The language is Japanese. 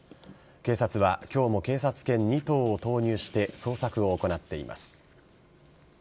警察は今日も警察犬２頭を投入して捜索を行っています。